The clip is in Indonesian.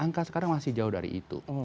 angka sekarang masih jauh dari itu